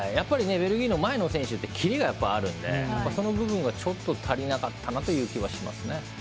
ベルギーの前の選手って、キレがあるのでその部分がちょっと足りなかったなという気がしますね。